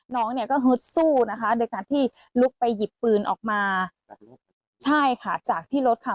น้องเนี่ยก็ฮึดสู้นะคะโดยการที่ลุกไปหยิบปืนออกมาใช่ค่ะจากที่รถค่ะ